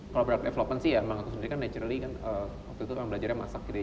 kalau product development sih ya emang itu sendiri kan naturally kan waktu itu pengen belajarnya masak gitu ya